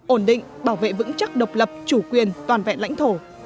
ổn định bảo vệ vững chắc độc lập chủ quyền toàn vẹn lãnh thổ